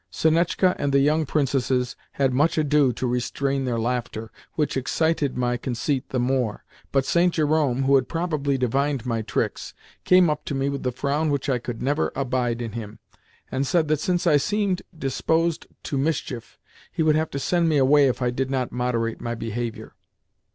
Sonetchka and the young princesses had much ado to restrain their laughter, which excited my conceit the more, but St. Jerome, who had probably divined my tricks, came up to me with the frown which I could never abide in him, and said that, since I seemed disposed to mischief, he would have to send me away if I did not moderate my behaviour.